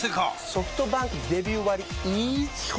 ソフトバンクデビュー割イズ基本